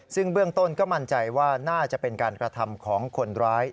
ซึ่งเบื้องต้นก็มั่นใจว่าน่าจะเป็นการกระทำของคนร้าย